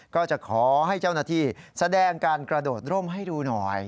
ก็จะขอให้เจ้าหน้าที่แสดงการกระโดดร่มให้ดูหน่อย